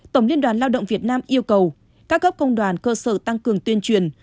tổng liên đoàn lao động việt nam yêu cầu các cấp công đoàn cơ sở tăng cường tuyên truyền